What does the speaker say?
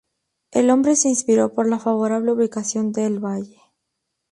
El nombre se inspiró por la favorable ubicación dentro del valle.